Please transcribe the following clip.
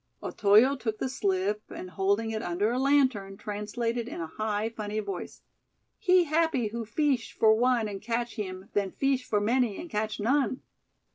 Otoyo took the slip and, holding it under a lantern, translated in a high, funny voice: "He happy who feesh for one and catch heem, than feesh for many and catch none."